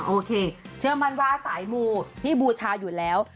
โอเคเชื่อมั่นว่าสายมูที่บูชาอยู่แล้ว